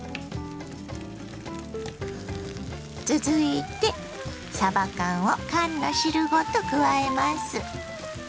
続いてさば缶を缶の汁ごと加えます。